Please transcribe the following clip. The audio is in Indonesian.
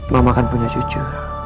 mama akan punya cucu